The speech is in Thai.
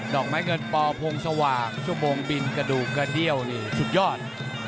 อกไม้เงินปอพงสว่างชั่วโมงบินกระดูกกระเดี้ยวนี่สุดยอด